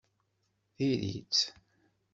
Diri-t!